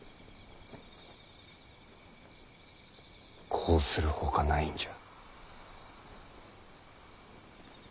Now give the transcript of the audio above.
こうするほかないんじゃ。